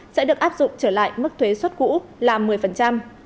sẽ được áp dụng trở lại mức thuế xuất cũ là một mươi